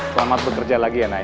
selamat bekerja lagi ya nai